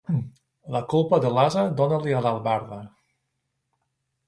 La culpa de l'ase dona-li a l'albarda.